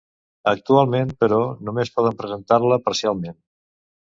Actualment, però, només poden presentar-la presencialment.